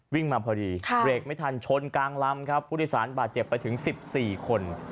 วิ่งมาพอดีเบรกไม่ทันชนกลางลำครับผู้โดยสารบาดเจ็บไปถึง๑๔คน